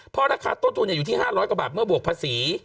เพราะราคาต้นทุนอยู่ที่๕๐๐กว่าบาทเมื่อบวกภาษี